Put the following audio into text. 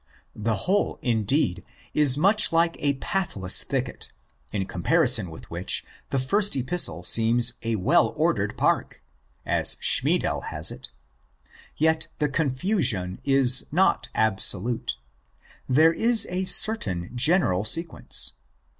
The whole, indeed, is much like a path less thicket, in comparison with which the first Epistle seems a well ordered park (as Schmiedel has it); yet the confusion is not absolute. There is a certain general sequence.